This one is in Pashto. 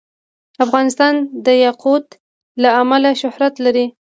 افغانستان د یاقوت له امله شهرت لري.